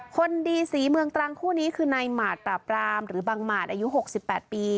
คนดีสีเมืองตรังคู่นี้คือในหมาตรปรามหรือบางหมาตรอายุ๖๘ปี